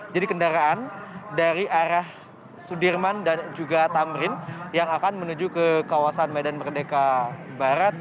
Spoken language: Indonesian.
jadi kendaraan dari arah sudirman dan juga tamrin yang akan menuju ke kawasan medan merdeka barat